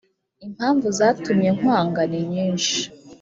impamvu zatumye nkwanga ninyinshi